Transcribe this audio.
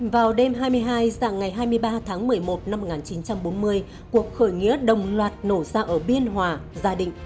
vào đêm hai mươi hai dạng ngày hai mươi ba tháng một mươi một năm một nghìn chín trăm bốn mươi cuộc khởi nghĩa đồng loạt nổ ra ở biên hòa gia định